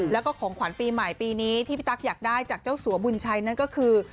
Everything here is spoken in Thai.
แล้วก็ของขวัญปีใหม่ปีนี้ที่พี่ตั๊กอยากได้จากเจ้าสัวบุญชัยนั่นก็คือ